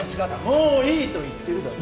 もういいと言ってるだろ！